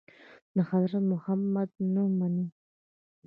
د حضرت محمد نه مني.